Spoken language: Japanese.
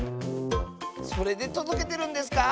それでとどけてるんですか？